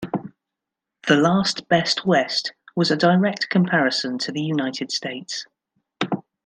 "The Last Best West" was a direct comparison to the United States.